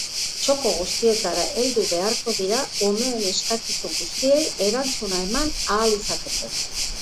Txoko guztietara heldu beharko dira umeen eskakizun guztiei erantzuna eman ahal izateko.